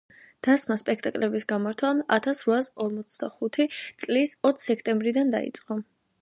დასმა სპექტაკლების გამართვა ათას რვაასორმოცდახუთი წლის ოც სექტემბრიდან დაიწყო.